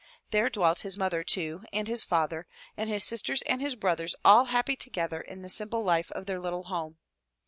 There dwelt his mother, too, and his father, and his sisters and his brothers, all happy together in the simple life of their little home.